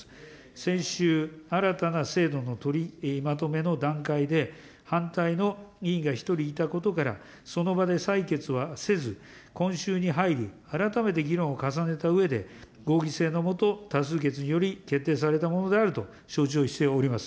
先週、新たな制度の取りまとめの段階で、反対の委員が１人いたことから、その場で採決はせず、今週に入り、改めて議論を重ねたうえで、合議制の下、多数決により決定されたものであると承知をしております。